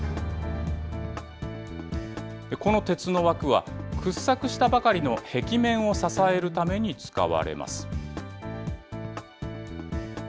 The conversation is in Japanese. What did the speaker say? この鉄の枠は、掘削したばかりの壁面を支えるために使われます。